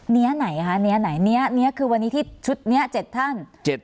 เนี้ยไหนเนี้ยคือวันนี้ที่ชุดนี้๗ท่าน